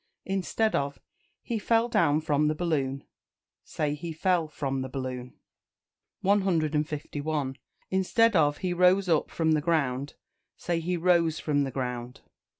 Instead of "He fell down from the balloon," say "He fell from the balloon." 151. Instead of "He rose up from the ground," say "He rose from the ground."